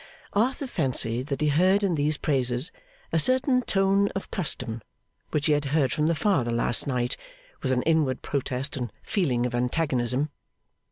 Arthur fancied that he heard in these praises a certain tone of custom, which he had heard from the father last night with an inward protest and feeling of antagonism.